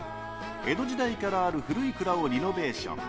江戸時代からある古い蔵をリノベーション。